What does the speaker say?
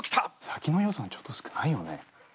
さっきの予算ちょっと少ないよね。